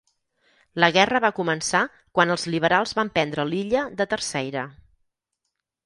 La guerra va començar quan els liberals van prendre l'illa de Terceira.